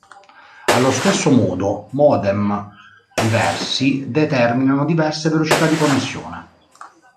Allo stesso modo, modem diversi determinano diverse velocità di connessione.